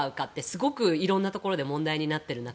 すごく色んなところで問題になっている中